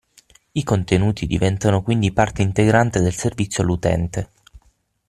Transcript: I contenuti diventano quindi parte integrante del servizio all'utente.